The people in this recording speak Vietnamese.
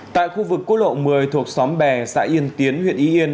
tại khu vực quốc lộ một mươi thuộc xóm bè xã yên tiến huyện y yên